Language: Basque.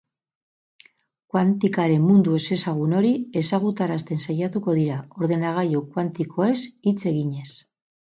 Kuantikaren mundu ezezagun hori ezagutarazten saiatuko dira, ordenagailu kuantikoez hitz eginez.